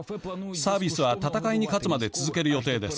サービスは戦いに勝つまで続ける予定です。